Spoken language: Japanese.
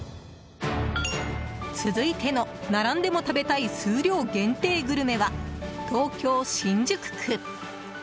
続いての並んでも食べたい数量限定グルメは東京・新宿区。